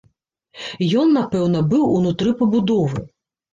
Ён, напэўна, быў унутры пабудовы.